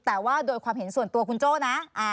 แต่ว่าโดยความเห็นส่วนตัวคุณโจ้นะ